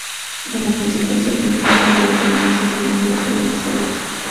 Como consecuencia, el film nunca llegó a terminarse y sus negativos fueron extraviados.